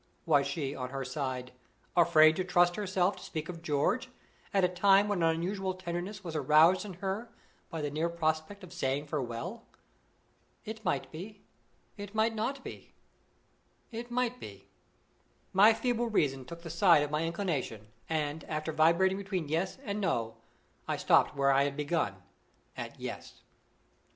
Was she, on her side, afraid to trust herself to speak of George at a time when an unusual tenderness was aroused in her by the near prospect of saying farewell? It might be it might not be it might be. My feeble reason took the side of my inclination; and, after vibrating between Yes and No, I stopped where I had begun at Yes.